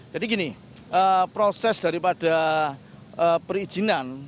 jadi gini proses daripada perizinan